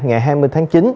ngày hai mươi tháng chín